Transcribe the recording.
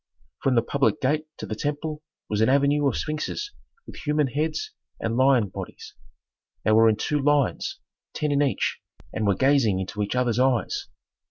From the public gate to the temple was an avenue of sphinxes with human heads and lion bodies. They were in two lines, ten in each, and were gazing into each others' eyes.